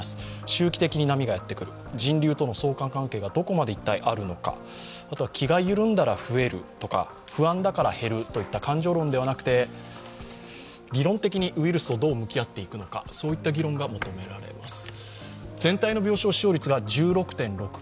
周期的に波がやってくる人流との相関関係がどこまで一体あるのかあとは気が緩んだら増えるとか不安だから減るといった感情論ではなくて、理論的にウイルスとどう向き合っていくのか、そういった議論が求められます。